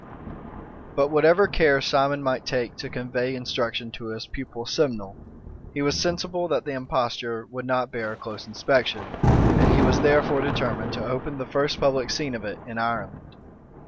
But whatever care Simon might take to convey instruction to his pupil Simnel, he was sensible that the imposture would not bear a close inspection; and he was therefore determined to open the first public scene of it in Ireland.